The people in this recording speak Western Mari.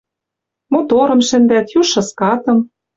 Моторым шӹндӓт, южшы скатым.